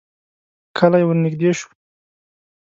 کلی ورنږدې شو.